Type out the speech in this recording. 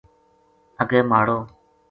اَگے ماڑو